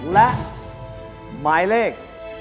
และหมายเลข